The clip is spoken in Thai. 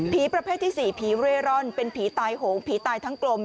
ประเภทที่๔ผีเร่ร่อนเป็นผีตายโหงผีตายทั้งกลม